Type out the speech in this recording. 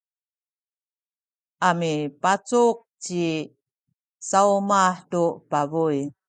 a mipacuk ci Sawmah tu pabuy.